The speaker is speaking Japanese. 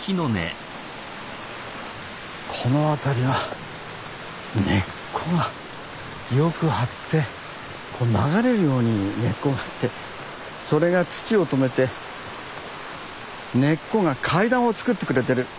この辺りは根っこがよく張ってこう流れるように根っこが張ってそれが土を止めて根っこが階段を作ってくれてる。